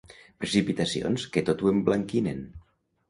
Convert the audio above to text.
Precipitacions que tot ho emblanquinen.